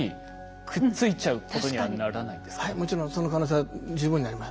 はいもちろんその可能性は十分にあります。